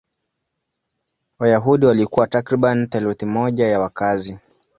Wayahudi walikuwa takriban theluthi moja ya wakazi.